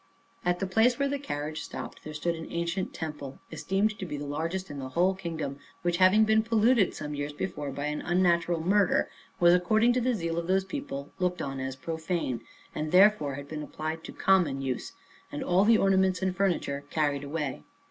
At the place where the carriage stopped, there stood an ancient temple, esteemed to be the largest in the whole kingdom, which, having been polluted some years before by an unnatural murder, was, according to the zeal of those people, looked on as profane, and therefore had been applied to common use, and all the ornaments and furniture carried away.